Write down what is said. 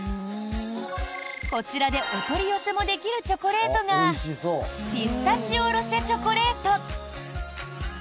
こちらでお取り寄せもできるチョコレートがピスタチオロシェチョコレート。